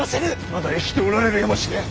まだ生きておられるやもしれん。